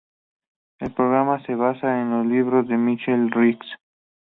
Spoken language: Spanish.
El programa se basa en los libros de Michael Rex.